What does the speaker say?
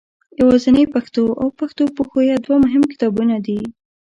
یوازنۍ پښتو او پښتو پښویه دوه مهم کتابونه دي.